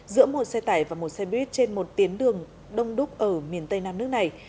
giữa một xe tải và một xe buýt trên một tiến đường đông đúc ở miền tây nam nước này